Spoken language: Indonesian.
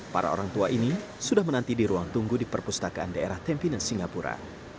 para orang tua ini sudah menanti di ruang tunggu di perpustakaan daerah tempinan singapura